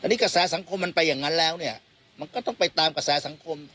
นี่กระแสสังคมมันไปอย่างนั้นแล้วเนี่ยมันก็ต้องไปตามกระแสสังคม